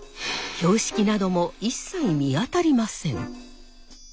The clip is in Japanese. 標識なども一切見当たりません。